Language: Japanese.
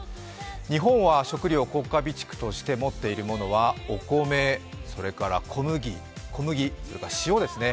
日本は食料を国家備蓄として持っているものはお米、それから小麦、塩ですね。